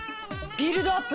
ビルドアップ？